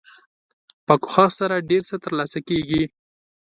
په کوښښ سره ډیر څه تر لاسه کیږي.